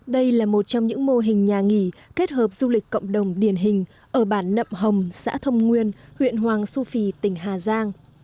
đây là một trong những mô hình nhà nghỉ kết hợp du lịch cộng đồng điển hình ở bản nậm hồng xã thông nguyên huyện hoàng su phi tỉnh hà giang